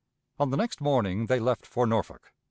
On the next morning they left for Norfolk.